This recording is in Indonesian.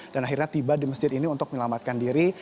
dan akhirnya tiba di masjid ini untuk kembali